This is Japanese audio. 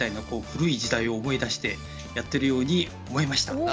こう古い時代を思い出してやってるように思いました。